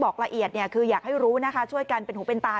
ละเอียดคืออยากให้รู้นะคะช่วยกันเป็นหูเป็นตา